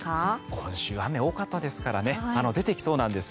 今週雨が多かったですからね出てきそうなんです。